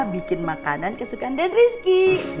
bikin makanan kesukaan dan rizky